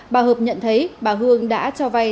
bà hợp nhận thấy bà hương đã cho vay